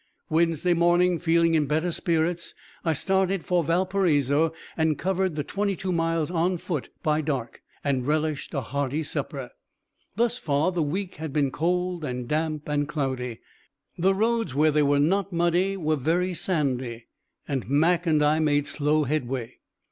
Wednesday morning, feeling in better spirits, I started for Valparaiso, and covered the twenty two miles on foot by dark, and relished a hearty supper. Thus far the week had been cold and damp and cloudy. The roads, where they were not muddy, were very sandy, and Mac and I made slow headway.